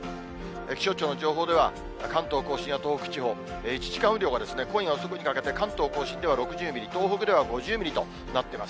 気象庁の情報では、関東甲信や東北地方、１時間雨量が今夜遅くにかけて関東甲信では６０ミリ、東北では５０ミリとなってます。